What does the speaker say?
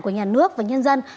của nhà nước và nhân dân